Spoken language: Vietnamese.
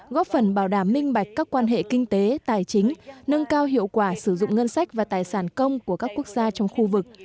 góp phần bảo đảm minh bạch các quan hệ kinh tế tài chính nâng cao hiệu quả sử dụng ngân sách và tài sản công của các quốc gia trong khu vực